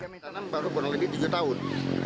kami tanam baru kurang lebih tujuh tahun